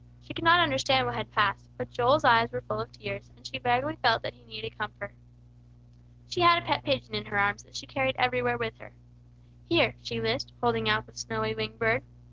She could not understand what had passed; but Joel's eyes were full of tears, and she vaguely felt that he needed comfort. She had a pet pigeon in her arms, that she carried everywhere with her. "Here," she lisped, holding out the snowy winged bird.